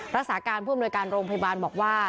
รักษาการผู้อำนวยการโรงพยาบาลบอกว่า